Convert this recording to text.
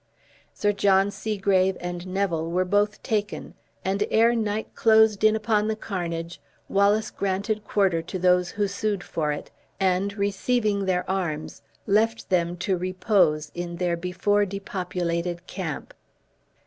Sir John Segrave and Neville were both taken; and ere night closed in upon the carnage, Wallace granted quarter to those who sued for it, and, receiving their arms, left them to repose in their before depopulated camp.